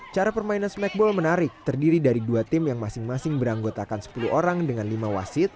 cara permainan smackball menarik terdiri dari dua tim yang masing masing beranggotakan sepuluh orang dengan lima wasit